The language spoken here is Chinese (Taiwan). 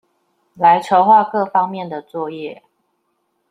來籌畫各方面的作業